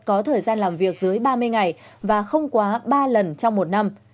có thời gian làm việc dưới ba mươi ngày và không quá ba lần trong một năm